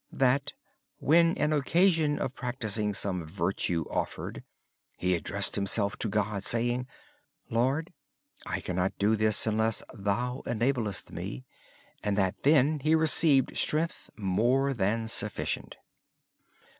When an occasion of practicing some virtue was offered, he addressed himself to God saying, "Lord, I cannot do this unless Thou enablest me". And then he received strength more than sufficient.